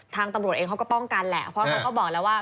ทางตำรวจเองเขาก็ป้องกันแหละเพราะเขาก็บอกแล้วว่า